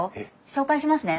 紹介しますね。